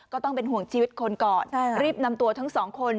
ก็ต้องเป็นห่วงชีวิตคนก่อนรีบนำตัวทั้งสองคน